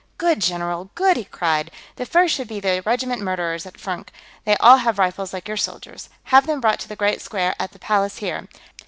"Good, general! Good!" he cried. "The first should be the regiment Murderers, at Furnk; they all have rifles like your soldiers. Have them brought to the Great Square, at the Palace here.